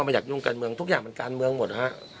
ไม่อยากยุ่งการเมืองทุกอย่างเป็นการเมืองหมดครับ